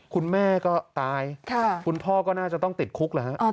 คุณแม่ก็ตายคุณพ่อก็น่าจะต้องติดคุกเหรอฮะ